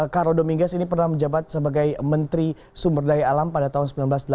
karodo migas ini pernah menjabat sebagai menteri sumber daya alam pada tahun seribu sembilan ratus delapan puluh